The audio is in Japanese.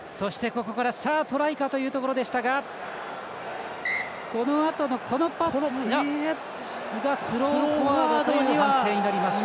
トライかというところでしたがこのあとのパスがスローフォワードという判定になりました。